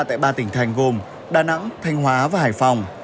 tại ba tỉnh thành gồm đà nẵng thanh hóa và hải phòng